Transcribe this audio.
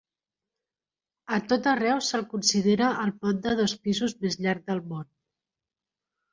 A tot arreu se'l considera el pont de dos pisos més llarg del món.